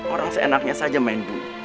orang seenaknya saja main bu